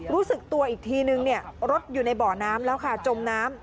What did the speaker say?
รู้สึกตัวอีกทีนึงรถอยู่ในบ่อน้ำแล้วค่ะจมน้ำ